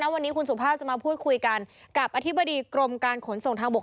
วันนี้คุณสุภาพจะมาพูดคุยกันกับอธิบดีกรมการขนส่งทางบก